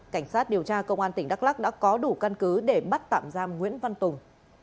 cảnh sát điều tra công an tỉnh đắk lắc đã có đủ căn cứ để bắt tạm giam nguyễn văn tùng